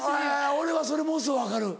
俺はそれものすごい分かる。